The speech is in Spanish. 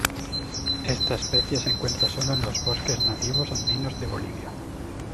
Esta especie se encuentra sólo en los bosques nativos andinos de Bolivia.